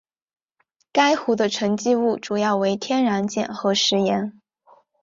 该湖的沉积物主要为天然碱和石盐。